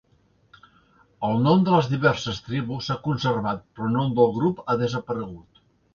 El nom de les diverses tribus s'ha conservat però el nom del grup ha desaparegut.